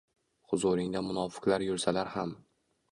Huzuringda munofiqlar yursalar ham!